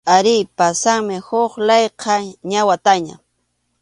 Arí, pasanmi huk layqa, ña wataña.